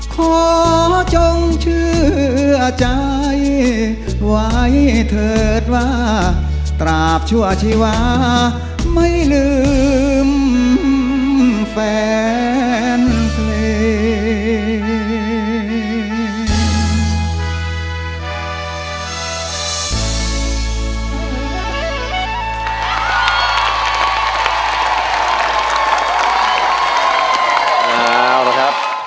ขอจงเชื่อใจไว้เถิดว่าตราบชั่วชีวาไม่ลืมแฟนเพลง